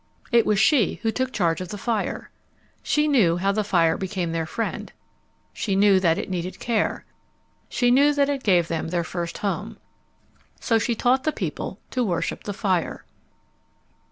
It was she who took charge of the fire. She knew how the fire became their friend. She knew that it needed care. She knew that it gave them their first home. So she taught the people to worship the fire.